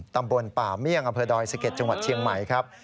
ตำบลป่าเมี่ยงอดสเก็ตจังหวัดเชียงใหม่ครับ